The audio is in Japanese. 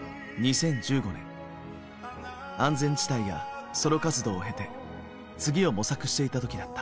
安全地帯やソロ活動を経て次を模索していた時だった。